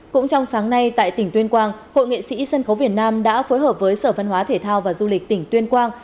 cũng trong sáng nay tại tỉnh tuyên quang hội nghệ sĩ sân khấu việt nam đã phối hợp với sở văn hóa thể thao và du lịch tỉnh tuyên quang